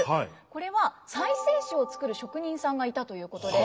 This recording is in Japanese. これは再生紙を作る職人さんがいたということで。